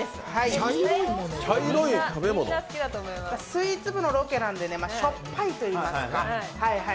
スイーツ部のロケなんでしょっぱいといいますか。